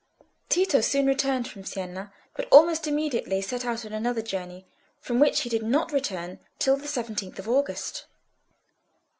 Tito soon returned from Siena, but almost immediately set out on another journey, from which he did not return till the seventeenth of August.